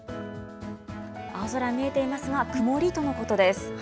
青空見えていますが曇りとのことです。